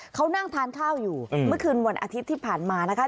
เขานั่งทานข้าวอยู่เมื่อคืนวันอาทิตย์ที่ผ่านมานะคะ